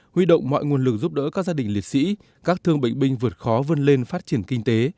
huy động mọi nguồn lực giúp đỡ các gia đình liệt sĩ các thương bệnh binh vượt khó vươn lên phát triển kinh tế